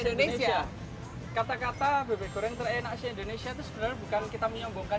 indonesia kata kata bebek goreng terenak di indonesia itu sebenarnya bukan kita menyombongkan